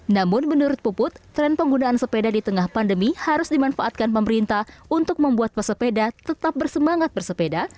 namun menurut puput tren penggunaan sepeda di tengah pandemi harus dimanfaatkan pemerintah untuk membuat pesepeda tetap bersemangat bersepeda